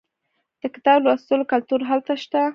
د کتاب لوستلو کلتور هلته شته.